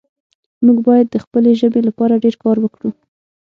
موږ باید د خپلې ژبې لپاره ډېر کار وکړو